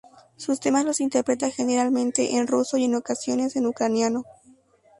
Sus temas los interpreta generalmente en ruso y en ocasiones en ucraniano.